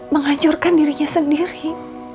menghancurkan dirinya sendiri